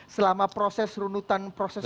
selama proses runutan proses